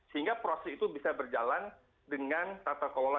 sehingga proses itu bisa berjalan dengan tata kelola